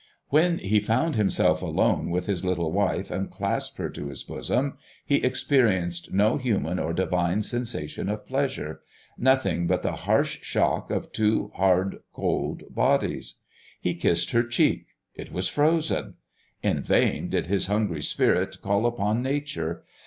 When he found himself alone with his little wife and clasped her to his bosom, he experienced no human or divine sensation of pleasure, nothing but the harsh shock of two hard, cold bodies. He kissed her cheek; it was frozen. In vain did his hungry spirit call upon nature.